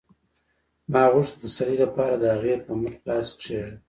ما غوښتل د تسلۍ لپاره د هغې په مټ لاس کېږدم